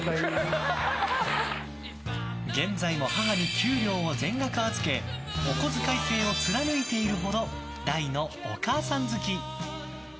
現在も母に給料を全額預けお小遣い制を貫いているほど大のお母さん好き。